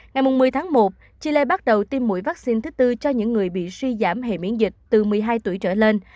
ngày một mươi tháng một chile bắt đầu tiêm mũi vaccine thứ tư cho những người bị suy giảm hệ miễn dịch từ một mươi hai tuổi trở lên